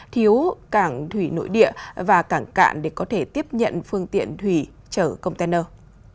thiếu cảng thủy nội địa và cảng cạn để có thể tiếp nhận phương tiện thủy chở container